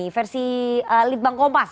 versi litbang kompas